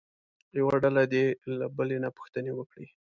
یوه ډله دې له بلې نه پوښتنې وکړي.